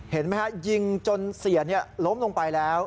เห็นไหมฮะยิงจนเสียล้มลงไปแล้ว